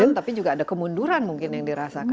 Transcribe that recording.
ada kemajuan tapi juga ada kemunduran mungkin yang dirasakan